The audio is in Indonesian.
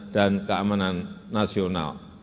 dan keamanan nasional